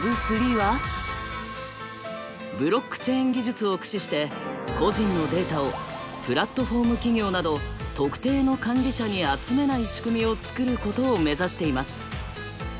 ブロックチェーン技術を駆使して個人のデータを「プラットフォーム企業など特定の管理者に集めない仕組みを作ること」を目指しています。